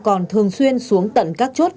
còn thường xuyên xuống tận các chốt